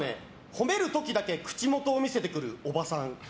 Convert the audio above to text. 褒める時だけ口元を見せてくるおばさん。